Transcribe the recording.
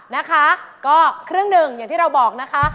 นะคะก็ครึ่งหนึ่งอย่างที่เราบอกนะคะ